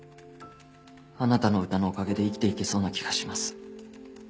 「あなたの歌のお陰で生きていけそうな気がします」